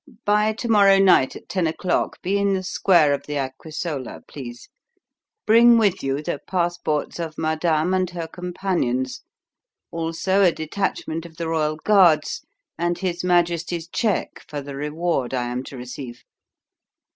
"By to morrow night at ten o'clock be in the square of the Aquisola, please. Bring with you the passports of madame and her companions, also a detachment of the Royal Guard, and his Majesty's cheque for the reward I am to receive."